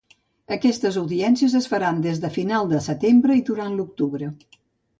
Aquestes audiències es faran des de final de setembre i durant l’octubre.